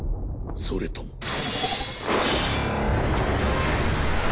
それとも。